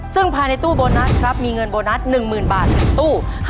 ซึ่งภายในตู้โบนัสครับมีเงินโบนัส๑๐๐๐บาท๑ตู้